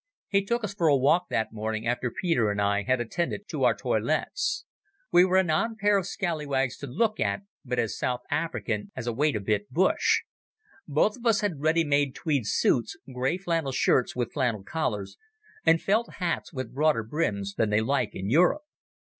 He took us for a walk that morning after Peter and I had attended to our toilets. We were an odd pair of scallywags to look at, but as South African as a wait a bit bush. Both of us had ready made tweed suits, grey flannel shirts with flannel collars, and felt hats with broader brims than they like in Europe.